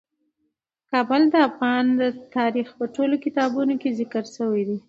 کابل د افغان تاریخ په ټولو کتابونو کې ذکر شوی دی.